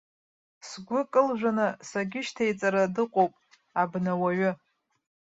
Сгәы кылжәаны сагьышьҭеиҵара дыҟоуп абнауаҩы!